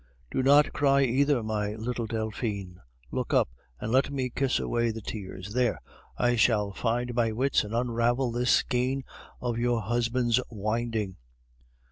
"Do not cry either, my little Delphine. Look up and let me kiss away the tears. There! I shall find my wits and unravel this skein of your husband's winding."